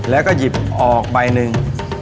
แล้วก็หยิบออกใบหนึ่ง